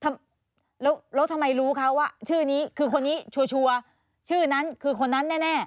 แล้วแล้วทำไมรู้คะว่าชื่อนี้คือคนนี้ชัวร์ชื่อนั้นคือคนนั้นแน่